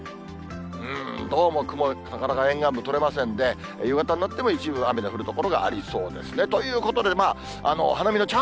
うーん、どうも雲、なかなか沿岸部、取れませんで、夕方になっても一部雨の降る所がありそうですね。